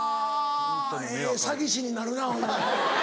ええ詐欺師になるなぁお前。